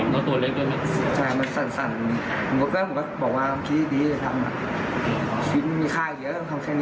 บอกถ้ามึงวางไม่เอาอีกไม่เอาอีกเลย